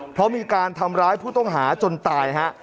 เพราะมีการทำร้ายผู้ต้องหาจนตายฮะ